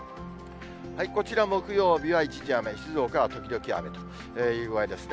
こちら木曜日は一時雨、静岡は時々雨という具合ですね。